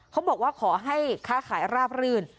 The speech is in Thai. เขาบอกว่าขอให้ค้าขายราบรื่น